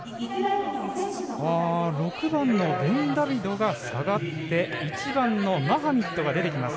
６番のベンダビドが下がって１番のマハミッドが出てきます。